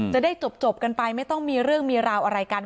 จะได้จบกันไปไม่ต้องมีเรื่องมีราวอะไรกัน